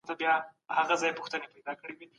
د ژوند زندان دی د انسان په اجاره ختلی